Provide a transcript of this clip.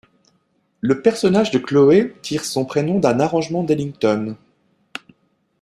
Le personnage de Chloé tire son prénom d'un arrangement d'Ellington.